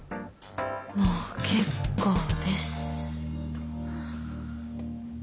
もう結構です。